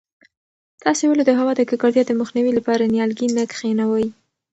تاسې ولې د هوا د ککړتیا د مخنیوي لپاره نیالګي نه کښېنوئ؟